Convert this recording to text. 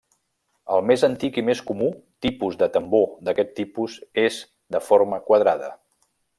El més antic i més comú tipus de tambor d'aquest tipus és de forma quadrada.